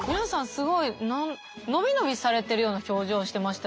すごい伸び伸びされてるような表情してましたよね。